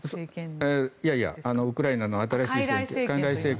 いやいや、ウクライナのあとの政権。